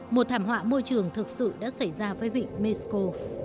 một thảm họa môi trường thực sự đã xảy ra với vịnh mexico